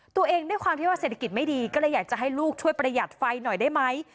ตัวเองด้วยความที่ว่าเศรษฐกิจไม่ดีก็เลยอยากจะให้ลูกช่วยประหยัดไฟหน่อยได้ไหม